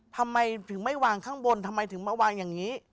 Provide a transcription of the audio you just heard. ทำไมถึงไม่วางข้างบนทำไมถึงมาวางอย่างนี้